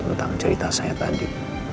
tentang cerita saya tadi